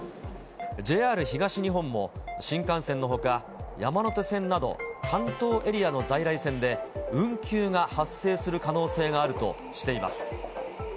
ＪＲ東日本も、新幹線のほか、山手線など関東エリアの在来線で、運休が発生する可能性があるとしています。